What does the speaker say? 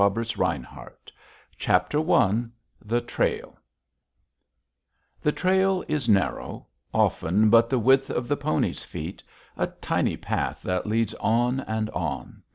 Kiser_ TENTING TO NIGHT I THE TRAIL The trail is narrow often but the width of the pony's feet, a tiny path that leads on and on.